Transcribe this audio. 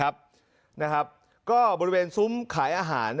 ก็บริเวณซุ้มขายอาหาร